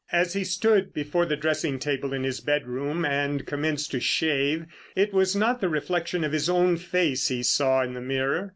As he stood before the dressing table in his bedroom and commenced to shave it was not the reflection of his own face he saw in the mirror.